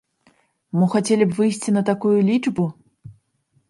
Мо хацелі б выйсці на такую лічбу?!